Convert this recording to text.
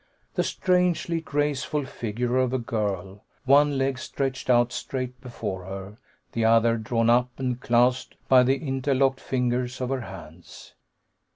The strangely graceful figure of a girl, one leg stretched out straight before her, the other drawn up and clasped by the interlocked fingers of her hands.